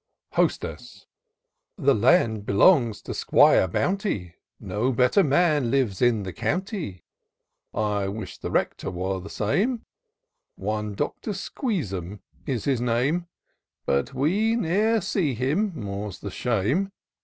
Hostess. " The land belongs to 'Squire Bounty, No better man lives in the county : IN SEARCH OF THE PICTURESQUE. 61 I wish the Rector were the same ; One Doctor Squeez'em is his name ; But we ne'er see him — more's the shame